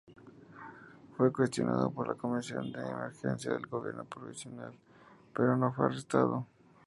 Fue cuestionado por la Comisión de Emergencia del Gobierno Provisional, pero no fue arrestado.